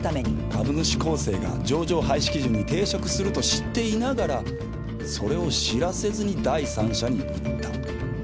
株主構成が上場廃止基準に抵触すると知っていながらそれを知らせずに第三者に売った。